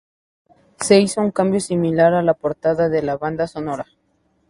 Se hizo un cambio similar a la portada de la banda sonora.